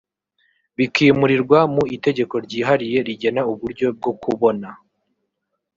Bikimurirwa mu itegeko ryihariye rigena uburyo bwo kubona